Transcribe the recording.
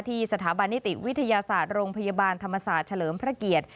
สถาบันนิติวิทยาศาสตร์โรงพยาบาลธรรมศาสตร์เฉลิมพระเกียรติ